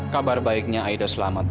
kabar baiknya aida selamat